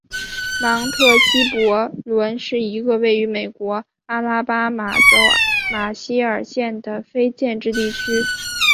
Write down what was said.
芒特希伯伦是一个位于美国阿拉巴马州马歇尔县的非建制地区。